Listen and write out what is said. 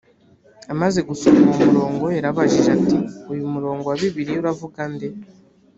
amaze gusoma uwo murongo yarababajije ati uyu murongo wa bibiliya uravuga nde